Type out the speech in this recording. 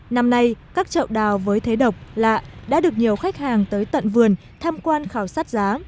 năm nay các trậu đào với thế độc lạ đã được nhiều khách hàng tới tận vườn tham quan khảo sát giá